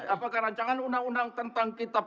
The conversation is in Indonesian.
apakah rancangan undang undang tentang kitab